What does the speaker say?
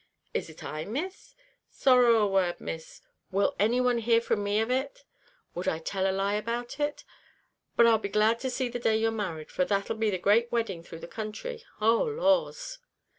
"Is it I, Miss? Sorrow a word, Miss, will any one hear from me av it. Would I tell a lie about it? But I'll be glad to see the day you're married, for that'll be the great wedding through the counthry. Oh laws!"